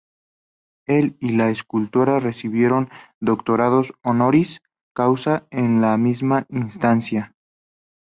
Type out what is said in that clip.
Él y la escultora recibieron doctorados honoris causa en la misma instancia.